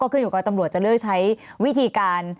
ขึ้นอยู่กับตำรวจจะเลือกใช้วิธีการ